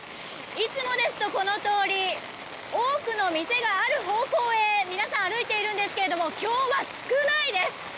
いつもですと、この通り多くの店がある方向へ皆さん、歩いているんですけど今日は少ないです。